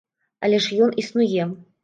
Але ж ён існуе.